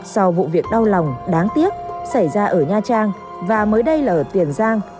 sau vụ việc đau lòng đáng tiếc xảy ra ở nha trang và mới đây là ở tiền giang